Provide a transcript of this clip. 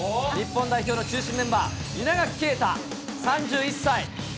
日本代表の中心メンバー、稲垣啓太３１歳。